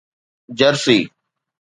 Jersey